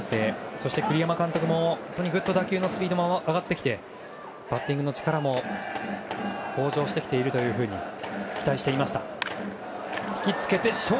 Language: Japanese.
そして栗山監督も、本当に打球もスピードも上がってきてバッティングの力も向上してきていると期待していました。